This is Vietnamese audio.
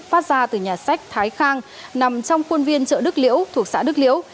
phát ra từ nhà sách thái khang nằm trong khuôn viên chợ đức liễu thuộc xã đức liễu